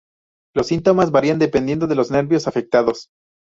Los síntomas varían dependiendo de los nervios afectados.